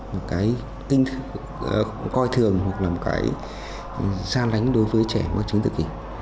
một cái coi thường hoặc là một cái gian đánh đối với trẻ có chứng tự kỷ